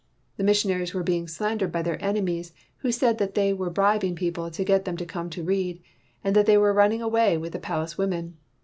The missionaries were being slan dered by their enemies who said that they were bribing people to get them to come to read, and that they were running away with the palace women.